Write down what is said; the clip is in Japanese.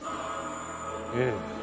ええ。